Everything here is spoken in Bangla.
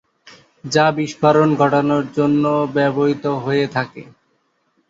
যা বিস্ফোরণ ঘটানোর জন্যে ব্যবহৃত হয়ে থাকে।